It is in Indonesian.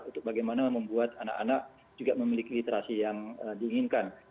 untuk bagaimana membuat anak anak juga memiliki literasi yang diinginkan